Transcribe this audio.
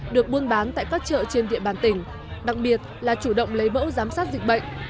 được buôn bán tại các chợ trên địa bàn tỉnh đặc biệt là chủ động lấy mẫu giám sát dịch bệnh